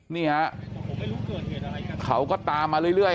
เนี่ยเขาก็ตามมาเรื่อยอ่ะ